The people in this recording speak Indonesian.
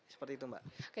seperti itu mbak